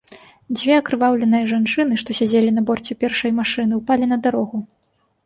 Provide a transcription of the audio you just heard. Дзве акрываўленыя жанчыны, што сядзелі на борце першай машыны, упалі на дарогу.